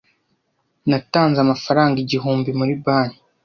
Natanze amafaranga igihumbi muri banki.